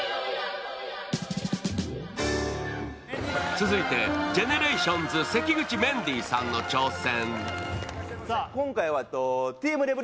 続いてＧＥＮＥＲＡＴＩＯＮＳ・関口メンディーさんの挑戦。